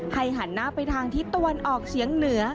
หันหน้าไปทางทิศตะวันออกเฉียงเหนือ